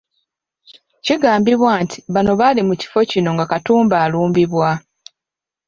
Kigambibwa nti bano baali mu kifo kino nga Katumba alumbibwa.